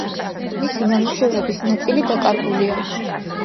მისი ნამუშევრების ნაწილი დაკარგულია.